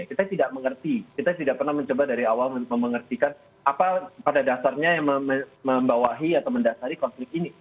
kita tidak mengerti kita tidak pernah mencoba dari awal untuk mengertikan apa pada dasarnya yang membawahi atau mendasari konflik ini